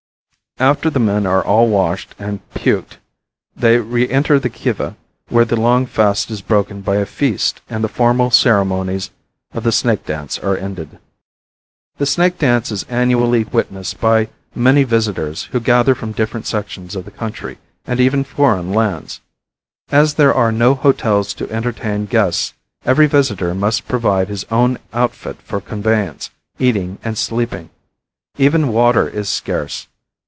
After the men are all washed and puked they re enter the Kiva, where the long fast is broken by a feast and the formal ceremonies of the snake dance are ended. The snake dance is annually witnessed by many visitors who gather from different sections of the country and even foreign lands. As there are no hotels to entertain guests every visitor must provide his own outfit for conveyance, eating and sleeping. Even water is scarce.